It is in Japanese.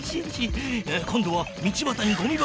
今度は道ばたにゴミ箱だ。